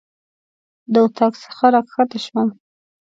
د اطاق څخه راکښته شوم.